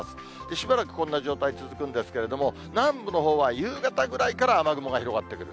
しばらくこんな状態続くんですけれども、南部のほうは夕方ぐらいから雨雲が広がってくる。